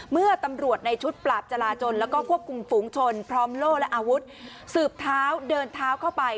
เมื่อตำรวจในชุดปราบจราจนแล้วก็ควบคุมฝูงชนพร้อมโล่และอาวุธสืบเท้าเดินเท้าเข้าไป